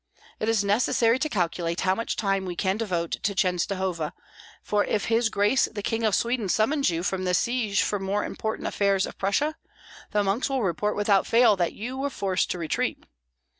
It is necessary to calculate how much time we can devote to Chenstohova; for if his Grace the King of Sweden summons you from the siege for the more important affairs of Prussia, the monks will report without fail that you were forced to retreat.